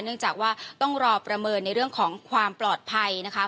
เนื่องจากว่าต้องรอประเมินในเรื่องของความปลอดภัยนะคะ